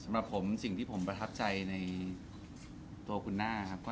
สำหรับผมสิ่งที่ผมประทับใจในตัวคุณหน้าครับ